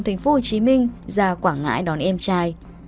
thành phố hồ chí minh ra quảng ngãi đón em trai